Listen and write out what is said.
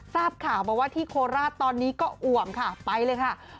ทราบข่าวมาว่าที่โคราชตอนนี้ก็อ่วมค่ะไปเลยค่ะ